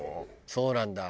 そうなんだ。